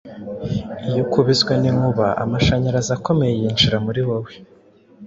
Iyo ukubiswe n’inkuba amashanyarizi akomeye yinjira muri wowe